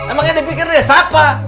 emangnya dipikir dia siapa